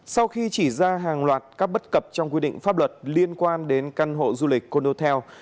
sau khi chỉ ra hàng loạt các bất cập trong quy định pháp luật liên quan đến căn hộ du lịch condotel